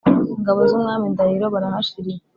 ingabo z’ umwami ndahiro barahashirira